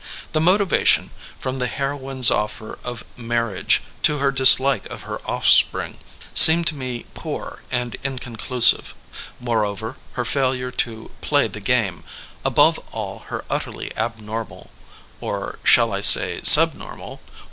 The motivation, from the heroine's offer of marriage to her dislike of her offspring, seemed to me poor and inconclusive; moreover, her failure to *'play the game," her sullenness, above all her ut terly abnormal (or shall I say sub normal?)